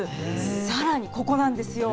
さらにここなんですよ。